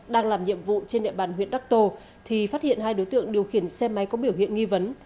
đang làm nhiệm vụ trên địa bàn huyện đắc tô thì phát hiện hai đối tượng điều khiển xe máy có biểu hiện nghi vấn